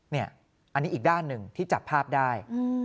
นี่อันนี้อีกด้านหนึ่งที่จับภาพได้